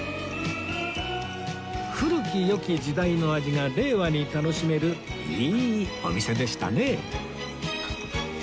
古き良き時代の味が令和に楽しめるいいお店でしたね